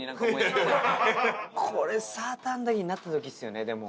これサーターアンダギーになった時ですよねでも。